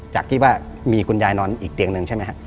จากที่ว่ามีคุณยายนอนอีกเตียงหนึ่งใช่ไหมครับ